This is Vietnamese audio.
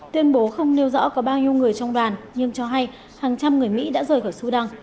tuyên bố không nêu rõ có bao nhiêu người trong đoàn nhưng cho hay hàng trăm người mỹ đã rời khỏi sudan